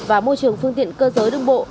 và môi trường phương tiện cơ giới đường bộ